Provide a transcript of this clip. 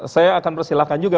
saya akan persilahkan juga